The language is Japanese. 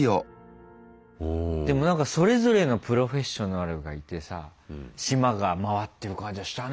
でも何かそれぞれのプロフェッショナルがいてさ島が回ってる感じはしたね。